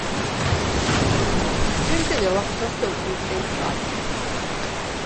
Dwi'n gwylio lot o stwff isdeitlau.